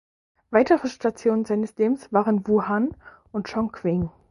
Weitere Stationen seines Lebens waren Wuhan und Chongqing.